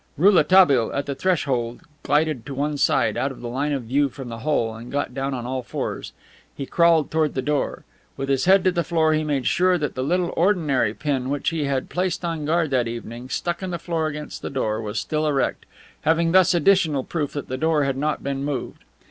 Rouletabille, at the threshold, glided to one side, out of the line of view from the hole, and got down on all fours. He crawled toward the door. With his head to the floor he made sure that the little ordinary pin which he had placed on guard that evening, stuck in the floor against the door, was still erect, having thus additional proof that the door had not been moved.